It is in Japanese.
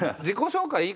自己紹介